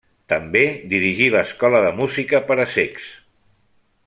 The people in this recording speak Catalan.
També dirigí l'Escola de Música per a Cecs.